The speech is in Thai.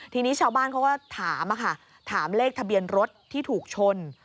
ทีนี้ชาวบ้านเขาก็ถามค่ะถามเลขทะเบียนรถที่ถูกชน